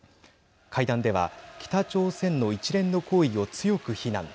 会談では北朝鮮の一連の行為を強く非難。